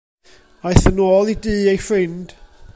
Aeth yn ôl i dŷ ei ffrind.